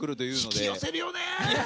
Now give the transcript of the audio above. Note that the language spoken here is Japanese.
引き寄せるよね。